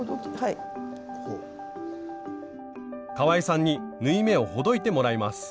かわいさんに縫い目をほどいてもらいます